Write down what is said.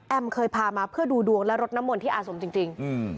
แอมม์เคยพามาเพื่อดูดวงและรดน้ำมนที่อาสมจริงจริงอืม